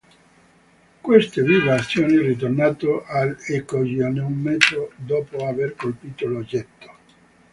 Queste vibrazioni ritornano all'ecogoniometro dopo aver colpito l'oggetto.